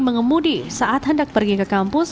mengemudi saat hendak pergi ke kampus